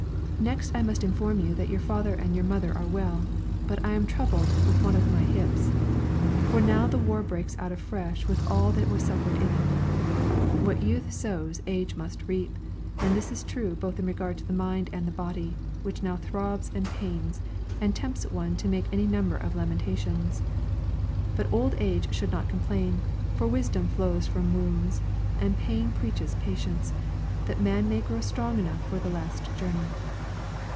Next I must inform you that your father and your mother are well, but I am troubled with one of my hips; for now the war breaks out afresh with all that was suffered in it. What youth sows age must reap; and this is true both in regard to the mind and the body, which now throbs and pains, and tempts one to make any number of lamentations. But old age should not complain; for wisdom flows from wounds, and pain preaches patience, that man may grow strong enough for the last journey.